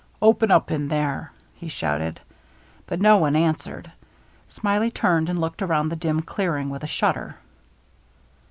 " Open up in there !" he shouted. But no one answered. Smiley turned and looked around the dim clearing with a shudder.